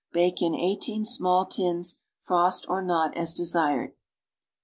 Bake in eighteen sniall tins, frost or not as desired.